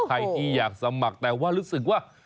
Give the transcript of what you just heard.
ใครที่อยากสมัครแต่ว่ารู้สึกว่า